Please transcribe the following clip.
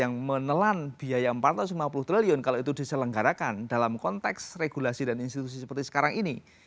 yang menelan biaya empat ratus lima puluh triliun kalau itu diselenggarakan dalam konteks regulasi dan institusi seperti sekarang ini